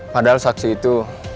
padahal saksi itu